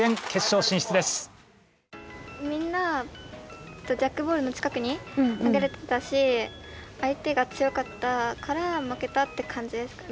みんなジャックボールの近くに投げれてたし相手が強かったから負けたって感じですか。